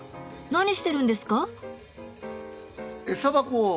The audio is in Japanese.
何してるんですか？